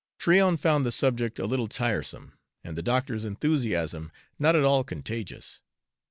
Tryon found the subject a little tiresome, and the doctor's enthusiasm not at all contagious.